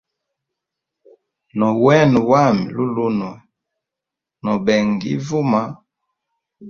Nowena wami lulunwe, no benga ivuma.